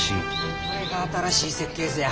これが新しい設計図や。